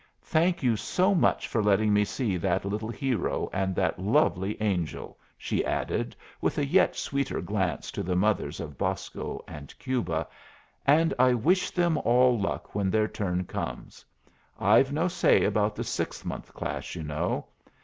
Thank you so much for letting me see that little hero and that lovely angel," she added, with a yet sweeter glance to the mothers of Bosco and Cuba. "And I wish them all luck when their turn comes. I've no say about the 6 month class, you know.